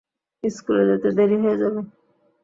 স্কুলে যেতে দেরি হয়ে যাবে।